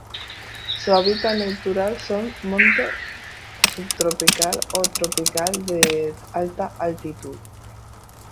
Su hábitat natural son montes subtropical o tropical de alta altitud.